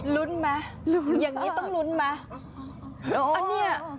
ลุ้นมั้ยอย่างนี้ต้องลุ้นมั้ย